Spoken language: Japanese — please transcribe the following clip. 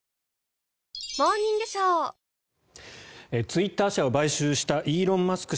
ツイッター社を買収したイーロン・マスク